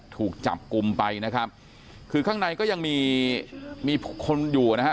ถูกจับกลุ่มไปนะครับคือข้างในก็ยังมีมีคนอยู่นะฮะ